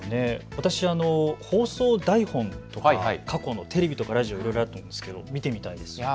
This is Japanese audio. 私は放送台本とか過去のテレビとからラジオの、いろいろあると思うんですが見てみたいです。